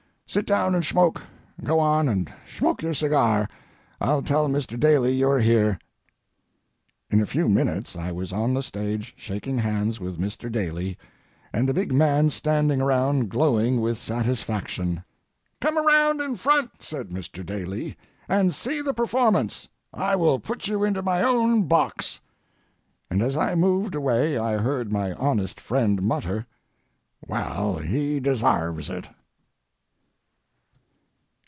Sit down and shmoke—go on and shmoke your cigar, I'll tell Mr. Daly you are here." In a few minutes I was on the stage shaking hands with Mr. Daly, and the big man standing around glowing with satisfaction. "Come around in front," said Mr. Daly, "and see the performance. I will put you into my own box." And as I moved away I heard my honest friend mutter, "Well, he desarves it."